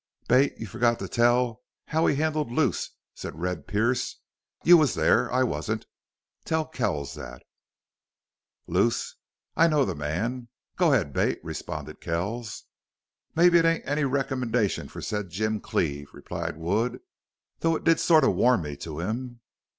"Bate, you forgot to tell how he handled Luce," said Red Pearee. "You was there. I wasn't. Tell Kells that." "Luce. I know the man. Go ahead, Bate," responded Kells. "Mebbe it ain't any recommendation fer said Jim Cleve," replied Wood. "Though it did sorta warm me to him....